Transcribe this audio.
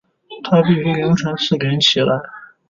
她必须清晨四点起来